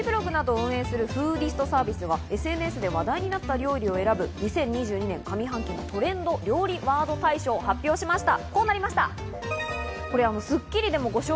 レシピブログなどを運営するフーディストサービスがＳＮＳで話題になった料理を選ぶ２０２２年、上半期のトレンド料理ワード大賞が発表しました。